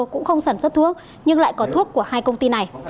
cũng không sản xuất thuốc nhưng lại có thuốc của hai công ty này